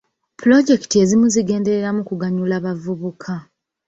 Pulojekiti ezimu zigendereramu kuganyula bavubuka